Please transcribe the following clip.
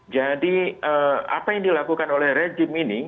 jadi apa yang dilakukan oleh rejim ini